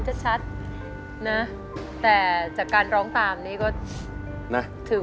ไม่มีควรเพราะไม่มีอะไร